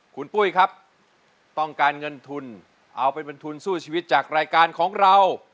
คุณปุ้ยครับต้องการเงินทุนเอาไปเป็นทุนสู้ชีวิตจากรายการของเรา